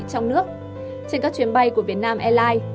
trong nước trên các chuyến bay của việt nam airlines